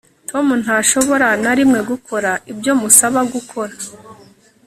Tom ntashobora na rimwe gukora ibyo musaba gukora